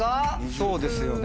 そうですよね。